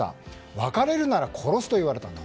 別れるなら殺すと言われたと。